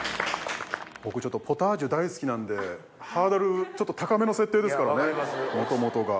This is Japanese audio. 僕ポタージュ大好きなんでハードルちょっと高めの設定ですからね元々が。